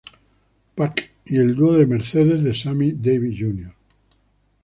Puck y el dúo de Mercedes de Sammy Davis Jr.